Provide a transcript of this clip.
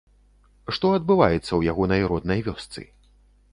Што адбываецца ў ягонай роднай вёсцы?